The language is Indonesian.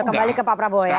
kembali ke pak prabowo ya